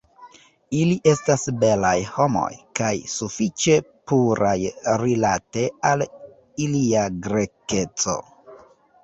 Ili estas belaj homoj, kaj sufiĉe puraj rilate al ilia Grekeco.